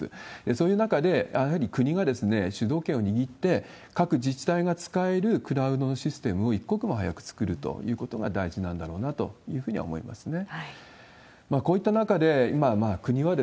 そういう中で、やはり国が主導権を握って、各自治体が使えるクラウドのシステムを一刻も早く作るということが大事なんだろうなというふうには思いますね。